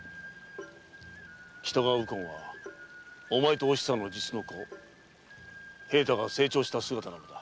北川右近はお前とおひさの実の子平太が成長した姿なのだ。